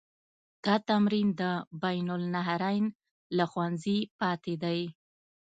دا تمرین د بین النهرین له ښوونځي پاتې دی.